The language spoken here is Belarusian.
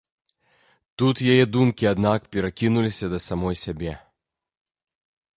Тут яе думкі, аднак, перакінуліся да самой сябе.